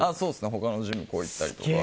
他のジム行ったりとか。